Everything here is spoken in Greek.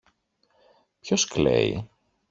Ποιος κλαίει;